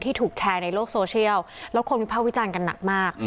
ถูกแชร์ในโลกโซเชียลแล้วคนวิภาควิจารณ์กันหนักมาก